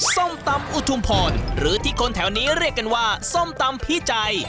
ส้มตำอุทุมพรหรือที่คนแถวนี้เรียกกันว่าส้มตำพี่ใจ